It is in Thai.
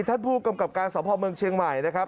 ท่านผู้กำกับการสอบภอมเมืองเชียงใหม่นะครับ